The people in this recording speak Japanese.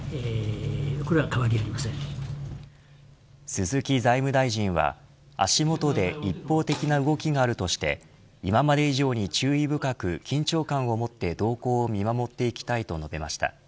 鈴木財務大臣は足元で一方的な動きがあるとして今まで以上に注意深く緊張感を持って動向を見守っていきたいと述べました。